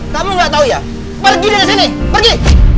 kamu nggak tahu ya pergi dari sini pergi